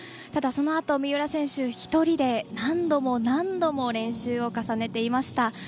ただ、そのあと三浦選手１人で何度も何度も練習を重ねていました。